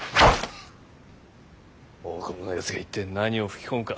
大久保のやつが一体何を吹き込むか。